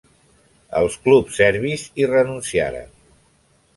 Els clubs serbis hi renunciaren.